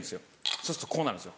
そうするとこうなるんですよ。